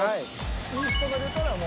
イーストが出たらもう。